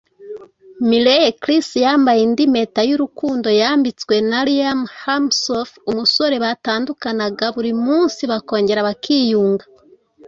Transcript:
Miley Cyrus yambaye indi mpeta y’urukundo yambitswe na Liam Hemsworth [umusore batandukanaga buri munsi bakongera bakiyunga]